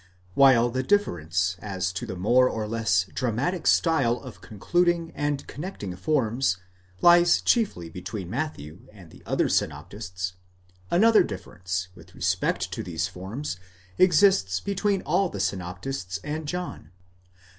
While the difference as to the more or less dramatic style of concluding and connecting forms, lies chiefly between Matthew and the other synoptists ; another difference with respect to these forms, exists between all the synoptists and John.